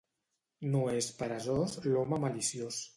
No és peresós l'home maliciós.